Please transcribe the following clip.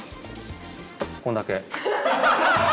こんだけ。